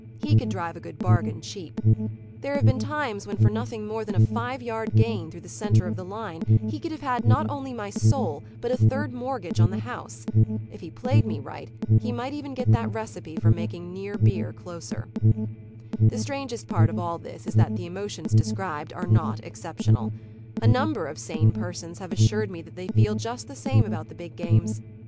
He could drive a good bargain cheap. There have been times when for nothing more than a five yard gain through the center of the line he could have had not only my soul, but a third mortgage on the house. If he played me right he might even get that recipe for making near beer closer. The strangest part of all this is that the emotions described are not exceptional. A number of sane persons have assured me that they feel just the same about the big games.